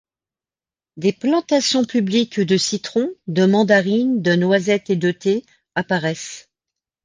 Des plantations publiques de citrons, de mandarines, de noisettes et de thé apparaissent.